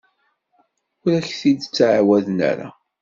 Ur ak-t-id-ttɛawaden ara.